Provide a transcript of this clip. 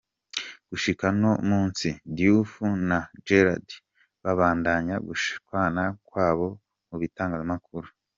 Gushika n'uno munsi, Diouf na Gerrad babandanya gushwana kwabo mu bitangazamakuru.